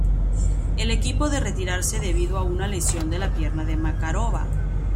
El equipo de retirarse debido a una lesión de la pierna de Makarova.